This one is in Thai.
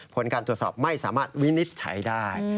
ผลการตรวจสอบไม่สามารถวินิจฉัยได้